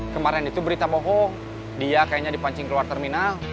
kemarin itu berita bohong dia kayaknya dipancing keluar terminal